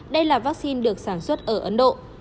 đây là vaccine được sản xuất ở ấn độ